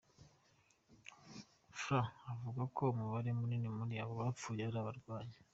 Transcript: fr , avuga ko umubare munini muri aba bapfuye ari abarwayi.